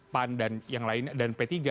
pan dan yang lainnya dan p tiga